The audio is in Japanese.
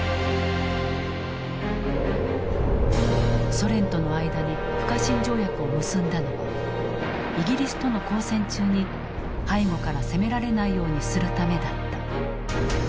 ソ連との間に不可侵条約を結んだのはイギリスとの交戦中に背後から攻められないようにするためだった。